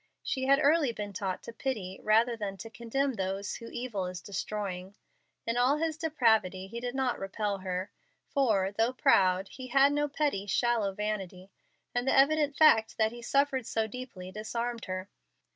She had early been taught to pity rather than to condemn those whom evil is destroying. In all his depravity he did not repel her, for, though proud, he had no petty, shallow vanity; and the evident fact that he suffered so deeply disarmed her.